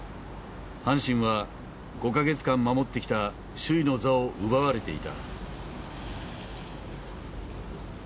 阪神は５か月間守ってきた首位の座を奪われていた。